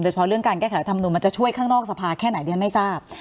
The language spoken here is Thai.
โดยเฉพาะเรื่องการแก้แขนวิทยาลัยธรรมนุมมันจะช่วยข้างนอกสภาแค่ไหนเรียนไม่ทราบ